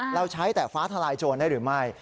เราใช้แต่ฟ้าทลายโจรได้หรือไม่